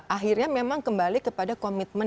akhirnya memang kembali kepada komitmen